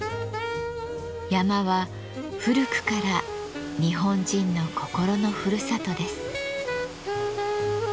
山は古くから日本人の心のふるさとです。